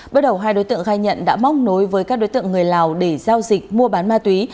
bước đầu hai đối tượng khai nhận đã móc nối với các đối tượng người lào để giao dịch mua bán ma túy